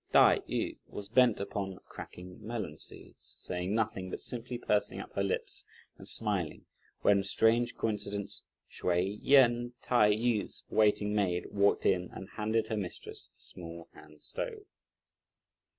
Tai yü was bent upon cracking melon seeds, saying nothing but simply pursing up her lips and smiling, when, strange coincidence, Hsüeh Yen, Tai yü's waiting maid, walked in and handed her mistress a small hand stove.